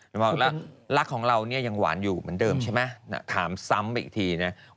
แล้วลักของเราเนี่ยยังหวานอยู่เหมือนเดิมใช่ไหมถามซ้ำอีกทีเนี่ย